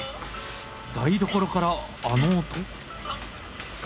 台所からあの音。